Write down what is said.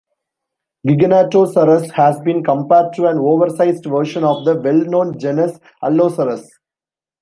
"Giganotosaurus" has been compared to an oversized version of the well-known genus "Allosaurus".